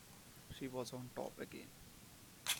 She was on top again.